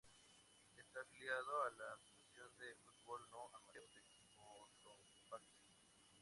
Está afiliado a la Asociación de Fútbol No Amateur de Cotopaxi.